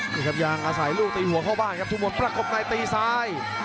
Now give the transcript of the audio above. นี่ครับยังอาศัยลูกตีหัวเข้าบ้านครับทุกคนประกบในตีซ้าย